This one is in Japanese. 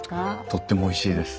とってもおいしいです。